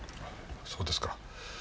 そうですか。